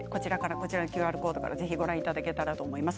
ＱＲコードからぜひご覧いただけたらと思います。